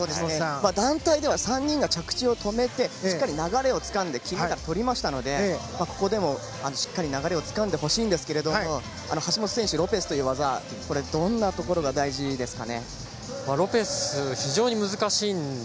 団体では３人が着地を止めてしっかり流れをつかんで金メダルをとりましたのでここでも流れをつかんでほしいんですけれども橋本選手、ロペスという技どんなところが大事ですか？